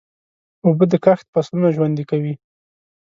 اوبه د کښت فصلونه ژوندي کوي.